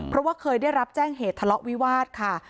เพราะว่าเคยได้รับแจ้งเหตุทะเลาะวิวาสค่ะ